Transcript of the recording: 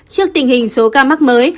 trước tình hình số ca mắc mới